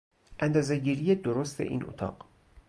اندازهگیری درست این اتاق